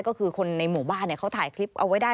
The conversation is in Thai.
ก็คือคนในหมู่บ้านเขาถ่ายคลิปเอาไว้ได้